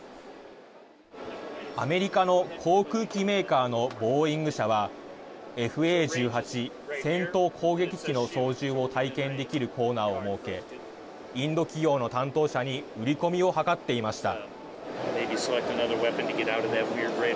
アメリカの航空機メーカーのボーイング社はＦＡ１８戦闘攻撃機の操縦を体験できるコーナーを設けインド企業の担当者に売り込みを図っていました。